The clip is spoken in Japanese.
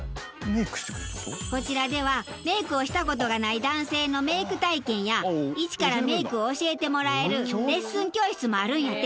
こちらではメイクをした事がない男性のメイク体験や一からメイクを教えてもらえるレッスン教室もあるんやて。